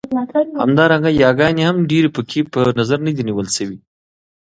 همدارنګه ياګانې هم ډېرې پکې په نظر کې نه دي نيول شوې.